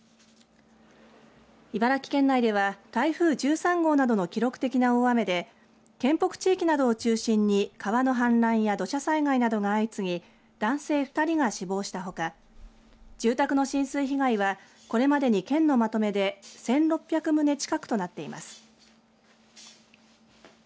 茨城県内では台風１３号などの記録的な大雨で県北地域などを中心に川の氾濫や土砂災害などが相次ぎ男性２人が死亡したほか住宅の浸水被害はこれまでに県のまとめで１６００棟近くとなっています。